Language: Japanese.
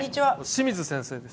清水先生です。